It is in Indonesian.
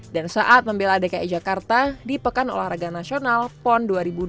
dan saat membela dki jakarta di pekan olahraga nasional pon dua ribu dua belas